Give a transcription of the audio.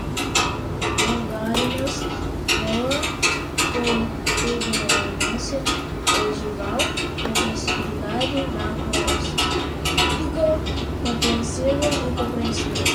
longarinas, proa, protuberância ogival, compressibilidade, macroscópica, compressível, incompressível